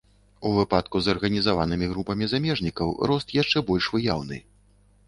У выпадку з арганізаванымі групамі замежнікаў рост яшчэ больш выяўны.